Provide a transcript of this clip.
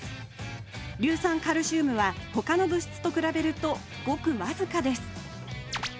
硫酸カルシウムはほかの物質と比べるとごく僅かです